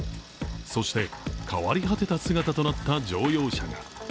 そして、変わり果てた姿となった乗用車が。